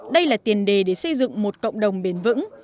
đây là tiền đề để xây dựng một cộng đồng bền vững